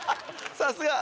さすが。